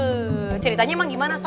eh ceritanya emang gimana sok